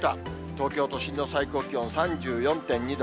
東京都心の最高気温３４．２度。